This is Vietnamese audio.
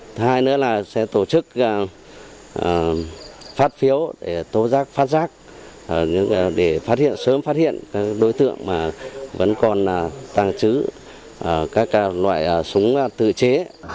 thứ hai nữa là sẽ tổ chức phát phiếu để tố giác phát giác để sớm phát hiện đối tượng mà vẫn còn tăng trứ các loại súng tự chế